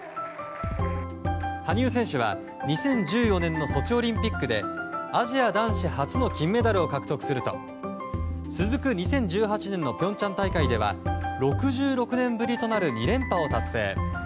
羽生選手は２０１４年のソチオリンピックでアジア男子初の金メダルを獲得すると続く２０１８年の平昌大会では６６年ぶりとなる２連覇を達成。